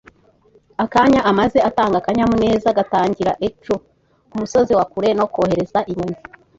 akanya maze atanga akanyamuneza gatangira echo kumusozi wa kure no kohereza inyoni